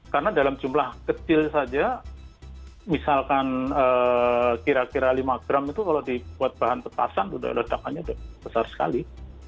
karena dalam jumlah kecil saja misalkan kira kira lima gram itu kalau dibuat bahan petasan udah ledakannya besar sekali